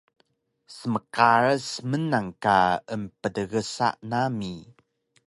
Smqaras mnan ka emptgsa nami